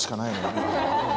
今。